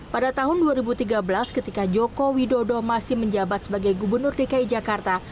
pada tahun dua ribu tiga belas ketika joko widodo masih menjabat sebagai gubernur dki jakarta